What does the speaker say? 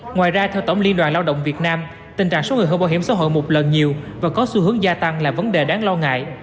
ngoài ra theo tổng liên đoàn lao động việt nam tình trạng số người hưởng bảo hiểm xã hội một lần nhiều và có xu hướng gia tăng là vấn đề đáng lo ngại